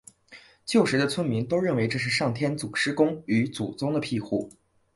旧时的村民都认为这是上天祖师公与祖宗的庇护。